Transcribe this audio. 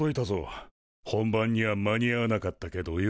本番には間に合わなかったけどよ。